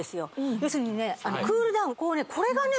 要するにクールダウンこれがね